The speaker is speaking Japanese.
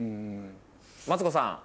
マツコさん